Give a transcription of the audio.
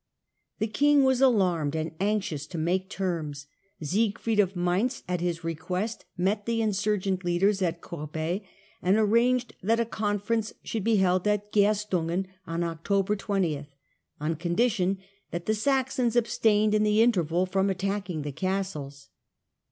The king was alarmed and anxious to make terms ; Siegfried of Mainz, at his request, met the insurgent First con leaders at Corbey, and arranged that a con Gerstungen fcrenco should bc held at Grerstungen on October 20, on condition that the Saxons abstained in the interval from attacking the castles.